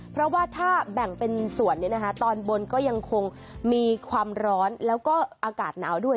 เพราะว่าถ้าแบ่งเป็นส่วนตอนบนก็ยังคงมีความร้อนแล้วก็อากาศหนาวด้วย